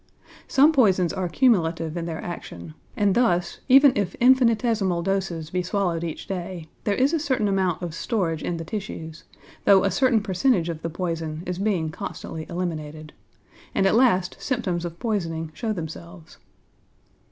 Some poisons are cumulative in their action, and thus, even if infinitesimal doses be swallowed each day, there is a certain amount of storage in the tissues (though a certain percentage of the poison is being constantly eliminated), and at last symptoms of poisoning show themselves.